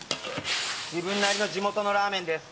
自分なりの地元のラーメンです。